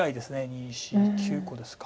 ２４６９個ですか。